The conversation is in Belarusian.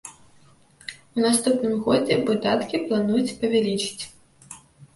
У наступным годзе выдаткі плануюць павялічыць.